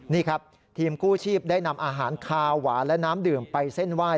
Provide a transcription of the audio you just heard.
นี่ครับทีมกู้ชีพได้นำอาหารคาหวานและน้ำดื่มไปเส้นไหว้